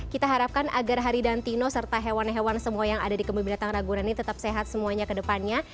kita harapkan agar hari dan tino serta hewan hewan semua yang ada di kemudian datang raguna ini tetap sehat semuanya kedepannya